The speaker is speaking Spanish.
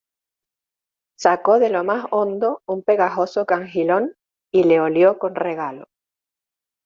sacó de lo más hondo un pegajoso cangilón, y le olió con regalo: